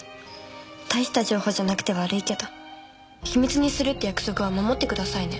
大した情報じゃなくて悪いけど秘密にするって約束は守ってくださいね。